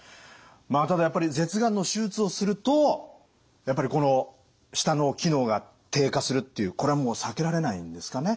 ただやっぱり舌がんの手術をするとやっぱりこの舌の機能が低下するっていうこれはもう避けられないんですかね？